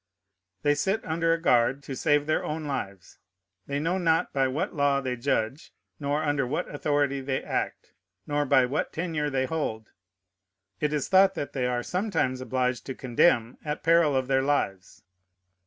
They sit under a guard to save their own lives. They know not by what law they judge, nor under what authority they act, nor by what tenure they hold. It is thought that they are sometimes obliged to condemn at peril of their lives.